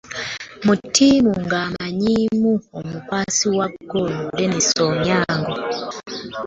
Mu ttiimu nga amanyiimu n'omukwasi wa ggoolo Dennis Onyango!